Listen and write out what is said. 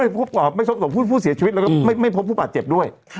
เพราะว่าผู้เสียชีวิตไม่พบผู้บาดเจ็บด้วย